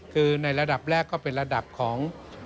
คือในระดับแรกก็เป็นระดับของ